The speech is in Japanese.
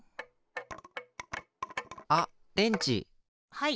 はい。